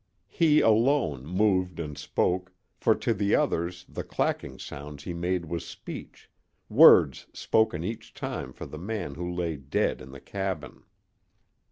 He alone moved and spoke, for to the others the clacking sounds he made was speech, words spoken each time for the man who lay dead in the cabin.